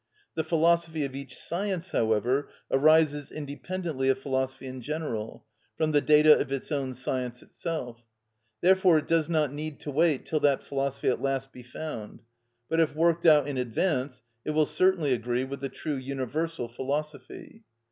The philosophy of each science, however, arises independently of philosophy in general, from the data of its own science itself. Therefore it does not need to wait till that philosophy at last be found; but if worked out in advance it will certainly agree with the true universal philosophy.